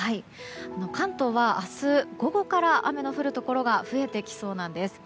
関東は明日午後から雨の降るところが増えてきそうなんです。